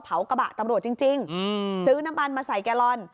เผากระบะตำรวจจริงจริงอืมซื้อน้ำมันมาใส่แกะรอน